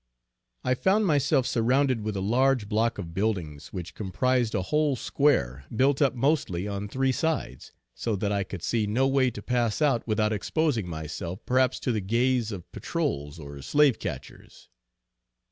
I found myself surrounded with a large block of buildings, which comprised a whole square, built up mostly on three sides, so that I could see no way to pass out without exposing myself perhaps to the gaze of patrols, or slave catchers.